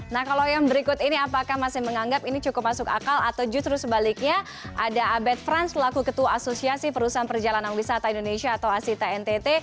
nah kalau yang berikut ini apakah masih menganggap ini cukup masuk akal atau justru sebaliknya ada abed franz laku ketua asosiasi perusahaan perjalanan wisata indonesia atau asita ntt